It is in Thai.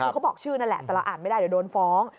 คือเขาบอกชื่อนั่นแหละแต่เราอ่านไม่ได้เดี๋ยวโดนฟ้อง